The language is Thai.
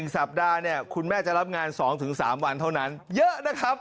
สัปดาห์เนี่ยคุณแม่จะรับงาน๒๓วันเท่านั้นเยอะนะครับ